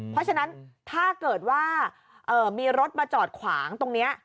เพราะฉะนั้นถ้าเกิดว่ามีรถมาจอดขวางตรงนี้